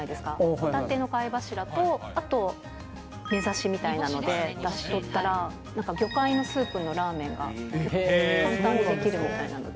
ホタテの貝柱とあとにぼしみたいなのでだし取ったらなんか魚介のスープのラーメンが簡単に出来るみたいなので。